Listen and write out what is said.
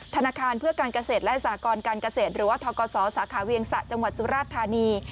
ธนาคารเพื่อการเกษตรและสากรการเกษตรหรือว่าทกศสาขาเวียงสะจังหวัดสุราชธานี